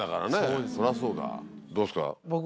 どうですか？